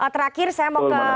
terakhir saya mau ke